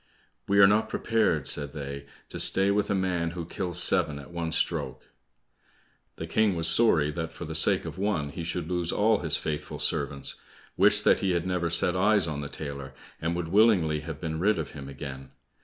"We are not prepared," said they, "to stay with a man who kills seven at one stroke." The King was sorry that for the sake of one he should lose all his faithful servants, wished that he had never set eyes on the tailor, and would willingly have been rid of him again.